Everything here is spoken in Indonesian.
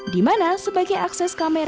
di mana sebagai akses kamar